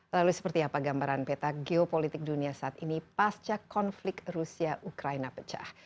lalu seperti apa gambaran peta geopolitik dunia saat ini pasca konflik rusia ukraina pecah